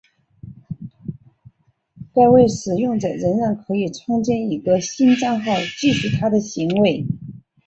该位使用者仍然可以创建一个新帐号继续他的行为。